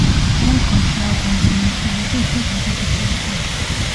შემდგომში ალბომის მიმოხილვები უფრო დადებითი იყო.